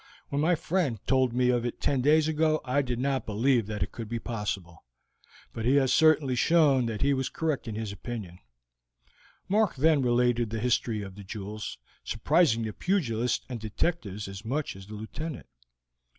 When my friend told me of it ten days ago I did not believe that it could be possible; but he has certainly shown that he was correct in his opinion." Mark then related the history of the jewels, surprising the pugilists and detectives as much as the Lieutenant.